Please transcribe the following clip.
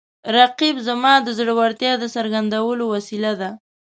رقیب زما د زړورتیا د څرګندولو وسیله ده